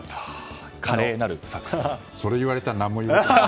それ言われたら何も言えない。